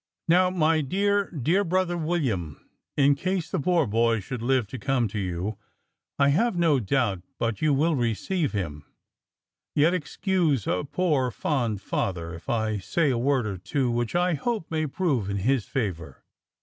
"Now my dear, dear brother William, in case the poor boy should live to come to you, I have no doubt but you will receive him; yet excuse a poor, fond father, if I say a word or two which I hope may prove in his favour.